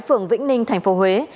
phường vĩnh ninh tp huế